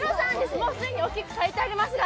もう既に大きく書いてありますが。